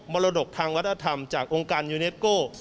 รดกทางวัฒนธรรมจากองค์การยูเน็ตโก้